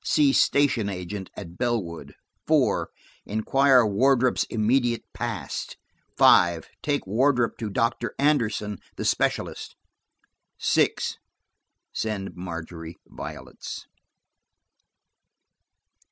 See station agent at Bellwood. 4. Inquire Wardrop's immediate past. 5. Take Wardrop to Doctor Anderson, the specialist. 6. Send Margery violets.